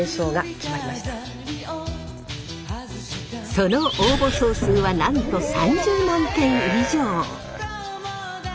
その応募総数はなんと３０万件以上！